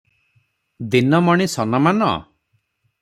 ଦିନମଣି ସନମାନ?